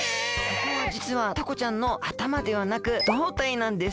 ここはじつはタコちゃんのあたまではなく胴体なんです。